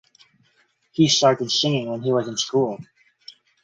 He started singing when he was in school.